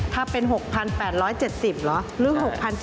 ถ้าเป็น๖๘๗๐หรือ๖๗๘๐